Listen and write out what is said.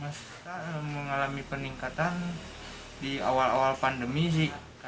kita mengalami peningkatan di awal awal pandemi sih